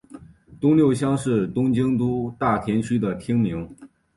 东六乡是东京都大田区的町名。